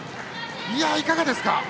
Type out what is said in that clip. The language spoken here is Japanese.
いかがですか？